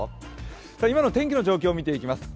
今の天気の状況を見ていきます。